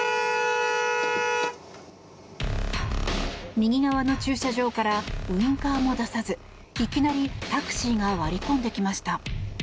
右側の駐車場からウィンカーも出さずいきなりタクシーが割り込んできました。